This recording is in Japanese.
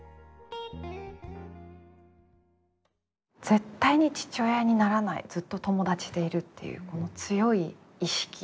絶対に父親にならないずっと友達でいるっていうこの強い意識